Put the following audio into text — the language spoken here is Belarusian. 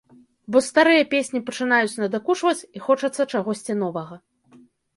Бо старыя песні пачынаюць надакучваць і хочацца чагосьці новага.